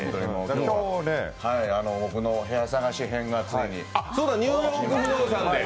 今日、僕の部屋探し編がついに。